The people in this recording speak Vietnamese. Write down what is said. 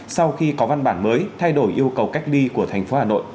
sau khi có văn bản mới thay đổi yêu cầu cách ly của thành phố hà nội